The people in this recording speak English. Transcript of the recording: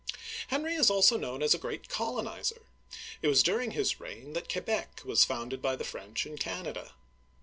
Henry is also known as a great colonizer. It was dur ing his reign that Quebec' was founded by the French in Canada.